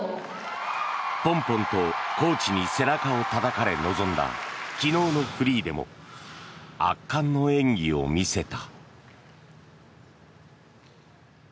ポンポンとコーチに背中をたたかれ臨んだ昨日のフリーでも圧巻の演技を見せた。